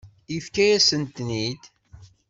Yefka-yasen-ten-id.